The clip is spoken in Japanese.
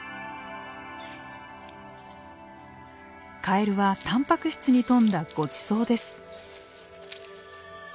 カエルはタンパク質に富んだごちそうです。